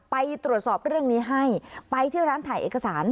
ไปตรวจสอบเรื่องนี้ให้ไปที่ร้านถ่ายเอกสาร